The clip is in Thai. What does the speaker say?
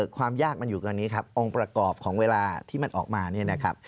ความยากมันอยู่กันนี้ครับองค์ประกอบของเวลาที่มันออกมาเนี่ยนะครับ